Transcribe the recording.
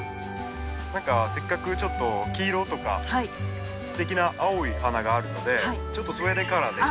何かせっかくちょっと黄色とかすてきな青い花があるのでちょっとスウェーデンカラーでいってもいいかなと。